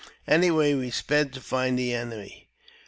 Away we sped to find the enemy.